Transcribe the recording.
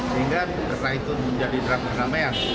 sehingga karena itu menjadi terang perdamaian